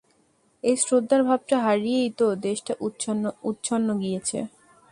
এই শ্রদ্ধার ভাবটা হারিয়েই তো দেশটা উৎসন্ন গিয়েছে।